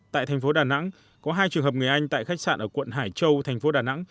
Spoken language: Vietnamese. tại tp đà nẵng có hai trường hợp người anh tại khách sạn ở quận hải châu tp đà nẵng